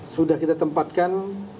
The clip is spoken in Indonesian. sudah kita tempatkan